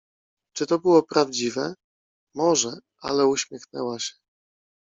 Czy to było prawdziwe? Mo że, ale uśmiechnęła się.